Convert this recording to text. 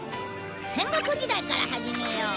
戦国時代から始めよう。